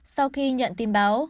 sau khi nhận tin báo